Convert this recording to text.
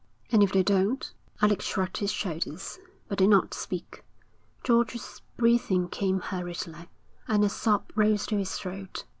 'And if they don't?' Alec shrugged his shoulders, but did not speak. George's breathing came hurriedly, and a sob rose to his throat.